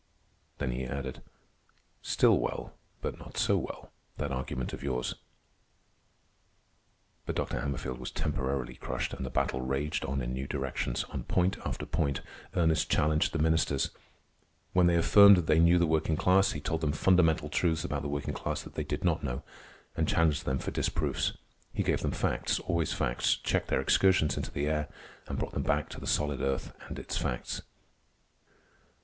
Then he added, "Still well, but not so well, that argument of yours." But Dr. Hammerfield was temporarily crushed, and the battle raged on in new directions. On point after point, Ernest challenged the ministers. When they affirmed that they knew the working class, he told them fundamental truths about the working class that they did not know, and challenged them for disproofs. He gave them facts, always facts, checked their excursions into the air, and brought them back to the solid earth and its facts.